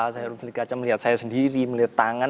saya harus melihat kaca melihat saya sendiri melihat tangan